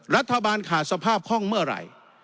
รัฐบาลขาดสภาพคล่องเมื่อไหร่